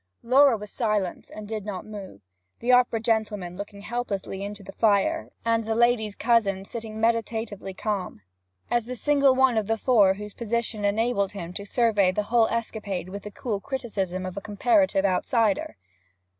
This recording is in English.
Laura was silent, and did not move, the opera gentleman looking helplessly into the fire, and the lady's cousin sitting meditatively calm, as the single one of the four whose position enabled him to survey the whole escapade with the cool criticism of a comparative outsider.